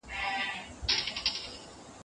دی چې ورانېږي زما زړه ورسره چوينه